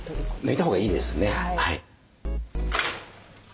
抜いたほうがいいですね。